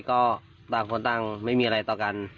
ก็ต่างไม่มีอะไรต่อกัน